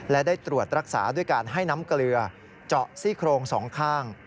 และได้ตรวจรักษาด้วยการให้น้ำเกลือเจาะซี่โครงสองข้าง